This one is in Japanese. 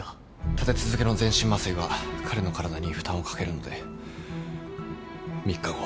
立て続けの全身麻酔は彼の体に負担をかけるので３日後。